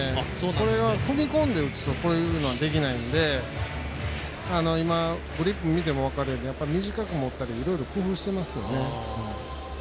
これは、踏み込んで打つとこういうのができないのでグリップ見ても分かりますが短く持ったりいろいろ工夫してますよね。